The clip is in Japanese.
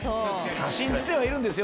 信じてはいるんですよ